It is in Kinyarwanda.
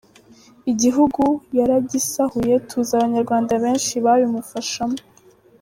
Igihugu yaragisahuye tuzi abanyarwanda benshi babimufashamo